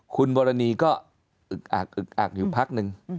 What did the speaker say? คุณบรณีก็อึกอักอึกอักอยู่พักนึง